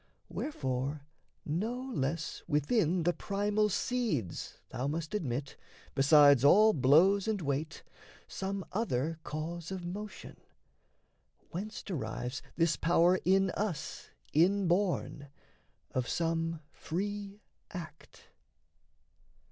Wherefore no less within the primal seeds Thou must admit, besides all blows and weight, Some other cause of motion, whence derives This power in us inborn, of some free act.